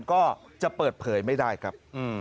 ก็จะเปิดเผยไม่ได้ครับ